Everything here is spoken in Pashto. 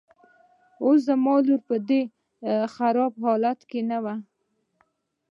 اوس به زما لور په دې خراب حالت کې نه وه.